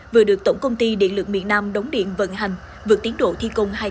vừa được tổng công ty điện lực miền nam đống điện vận hành vượt tiến độ thi công hai tháng